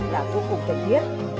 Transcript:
là vô cùng cần thiết